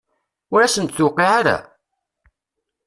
Ur asen-d-tuqiɛ ara?